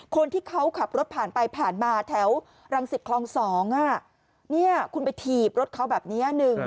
คนที่เขาขับรถผ่านไปผ่านมาแถวรังสิตคลอง๒เนี่ยคุณไปถีบรถเขาแบบนี้